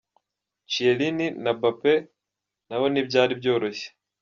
Chiellini na Mbappe nabo ntibyari byoroshye.